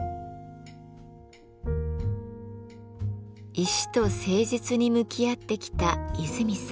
石と誠実に向き合ってきた和泉さん。